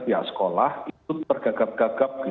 pihak sekolah itu tergagap gagap